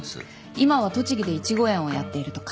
今は栃木でイチゴ園をやっているとか。